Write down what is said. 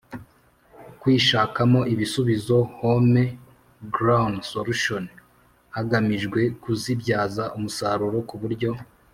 kwishakamo ibisubizo Home Grown Solutions hagamijwe kuzibyaza umusaruro ku buryo